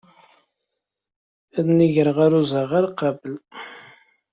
Ad inigeɣ ɣer uzɣar qabel.